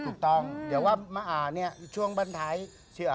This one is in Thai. ถูกต้องเดี๋ยวว่ามาอ่านเนี่ย